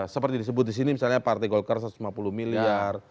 seperti disebut di sini misalnya partai golkar satu ratus lima puluh miliar